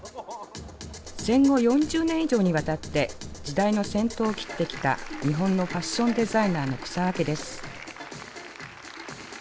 戦後４０年以上にわたって時代の先頭を切ってきた日本のファッションデザイナーの草分けです。